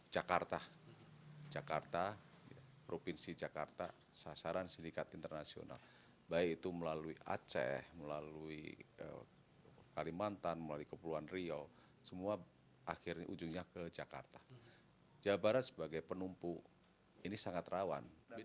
jawa barat sebagai penumpu ini sangat rawan